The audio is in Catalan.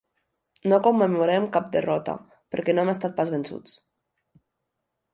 No commemorem cap derrota, perquè no hem estat pas vençuts.